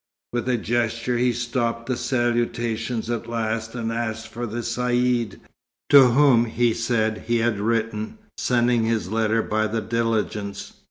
With a gesture, he stopped the salutations at last, and asked for the Caïd, to whom, he said, he had written, sending his letter by the diligence.